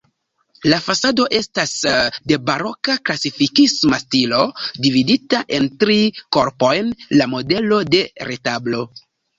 La fasado estas de baroka-klasikisma stilo, dividita en tri korpojn la modelo de retablo.